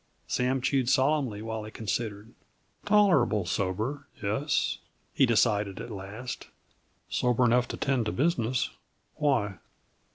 Sam chewed solemnly while he considered. "Tolerable sober, yes," he decided at last. "Sober enough to tend to business; why?"